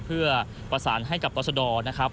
เพื่อประสานให้กับตรชดนะครับ